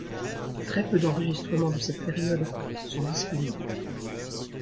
Très peu d'enregistrements de cette période sont disponibles.